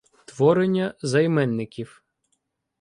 Творення займенників